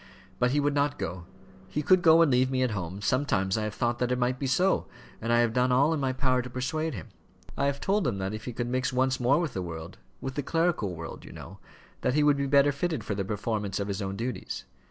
But he would not go. He could go and leave me at home. Sometimes I have thought that it might be so, and I have done all in my power to persuade him. I have told him that if he could mix once more with the world, with the clerical world, you know, that he would be better fitted for the performance of his own duties.